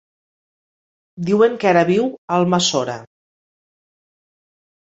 Diuen que ara viu a Almassora.